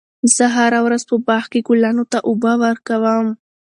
زه هره ورځ په باغ کې ګلانو ته اوبه ورکوم.